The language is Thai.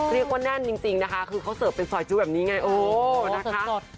เรียกว่าแน่นจริงนะคะคือเขาเสิร์ฟเป็นซอยจู้แบบนี้ไงโอ้นะคะ